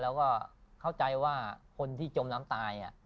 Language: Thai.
แล้วก็เข้าใจว่าคนที่จมน้ำตาย